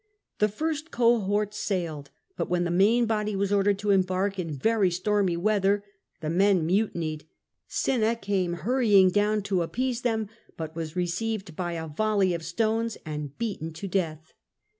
The first cohorts sailed, but when the main body was ordered to embark in very stormy weather, the men mutinied. Cinna came hurrying down to appease them, but was received by a volley of stones and beaten to death.